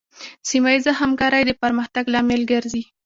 سیمه ایزه همکارۍ د پرمختګ لامل ګرځي.